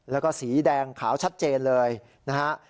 แล้วก็สีแดงขาวชัดเจนเลยนะฮะ